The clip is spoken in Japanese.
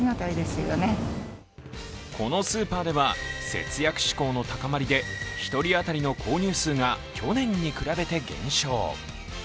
このスーパーでは、節約志向の高まりで１人当たりの購入数が去年に比べて減少。